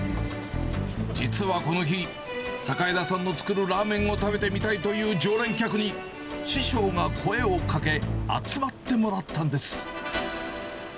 実はこの日、榮田さんの作るラーメンを食べてみたいという常連客に、師匠が声をかけ、集まってもらったんです。